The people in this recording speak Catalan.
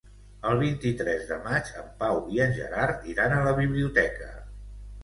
El vint-i-tres de maig en Pau i en Gerard iran a la biblioteca.